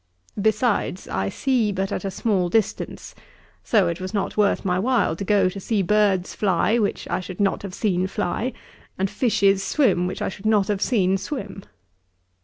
Besides, I see but at a small distance. So it was not worth my while to go to see birds fly, which I should not have seen fly; and fishes swim, which I should not have seen swim.'